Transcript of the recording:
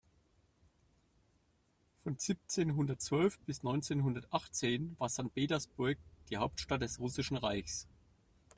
Von siebzehnhundertzwölf bis neunzehnhundertachtzehn war Sankt Petersburg die Hauptstadt des Russischen Reichs.